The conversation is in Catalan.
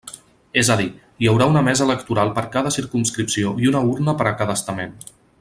És a dir, hi haurà una mesa electoral per cada circumscripció i una urna per cada estament.